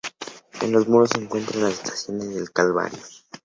En los muros se encuentran las estaciones del calvario.